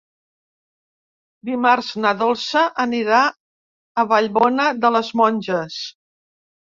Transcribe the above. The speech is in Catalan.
Dimarts na Dolça anirà a Vallbona de les Monges.